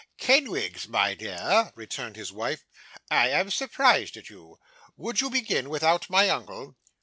'Kenwigs, my dear,' returned his wife, 'I am surprised at you. Would you begin without my uncle?